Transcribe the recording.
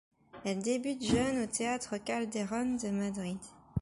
Elle débute jeune au théâtre Calderón de Madrid.